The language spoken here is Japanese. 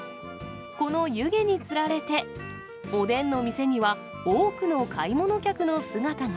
この湯気につられて、おでんの店には、多くの買い物客の姿が。